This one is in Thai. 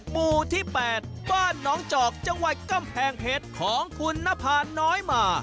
หมู่ที่๘บ้านน้องจอกจังหวัดกำแพงเพชรของคุณนภาน้อยมา